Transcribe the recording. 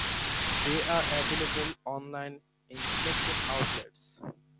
They are available online and in selected outlets.